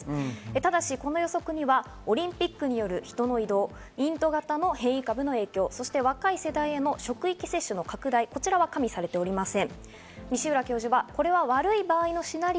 ただしこの予測には、オリンピックによる人の移動、インド型の変異株の影響、そして若い世代への職域接種の拡大などは加味されておりません。